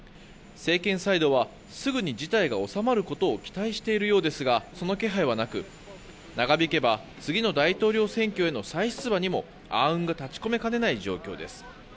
政権サイドはすぐに事態が収まることを期待しているようですがその気配はなく長引けば次の大統領選挙への再出馬にも暗雲が立ち込めかねない状況です。